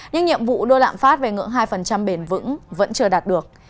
nhưng nhiệm vụ đưa lạm phát về ngưỡng hai bền vững vẫn chưa đạt được